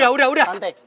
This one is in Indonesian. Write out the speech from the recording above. udah udah udah